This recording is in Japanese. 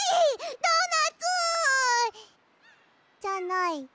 ドーナツ！じゃない。